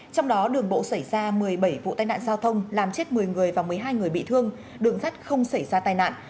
trong đó đường bộ xảy ra một mươi bảy vụ tai nạn giao thông làm chết một mươi người và một mươi hai người bị thương đường sắt không xảy ra tai nạn